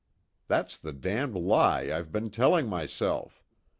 That's the damned lie I've been telling myself!